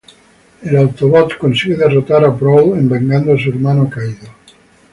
El Autobot consigue derrotar a Brawl vengando a su hermano caído.